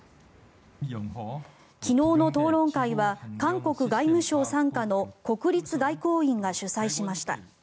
昨日の討論会は韓国外務省傘下の国立外交院が主催しました。